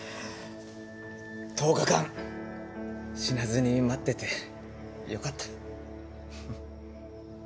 １０日間死なずに待っててよかった。